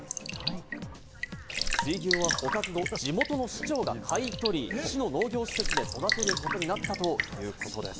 水牛は捕獲後、地元の市長が買い取り、市の農業施設で育てることになったということです。